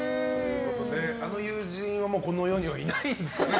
あの友人はもうこの世にいないんですかね。